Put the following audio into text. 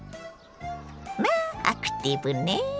まあアクティブね！